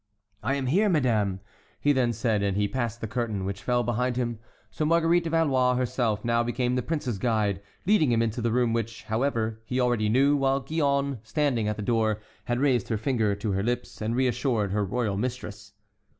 "I am here, madame," he then said; and he passed the curtain, which fell behind him. So Marguerite de Valois herself now became the prince's guide, leading him into the room which, however, he knew already, while Gillonne, standing at the door, had raised her finger to her lips and reassured her royal mistress.